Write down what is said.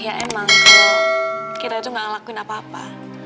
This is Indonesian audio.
ya emang kalau kita itu nggak ngelakuin apa apa